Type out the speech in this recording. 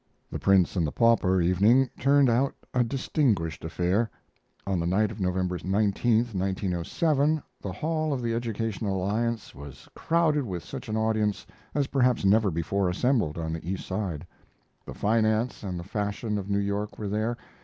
"The Prince and the Pauper" evening turned out a distinguished affair. On the night of November 19, 1907, the hall of the Educational Alliance was crowded with such an audience as perhaps never before assembled on the East Side; the finance and the fashion of New York were there.